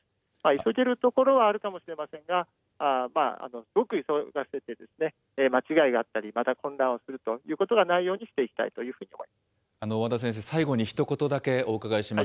急げるところはあるかもしれませんが、すごく急がせて間違いがあったり、また混乱をするということがないようにしていきたいというふうに和田先生、最後にひと言だけ、お伺いします。